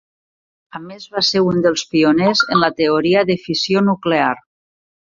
A més va ser un dels pioners en la teoria de fissió nuclear.